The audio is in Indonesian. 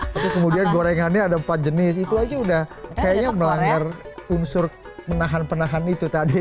tapi kemudian gorengannya ada empat jenis itu aja udah kayaknya melanggar unsur menahan penahan itu tadi